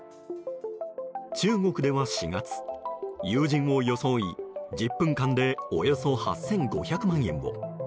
中国では４月、友人を装い１０分間でおよそ８５００万円を。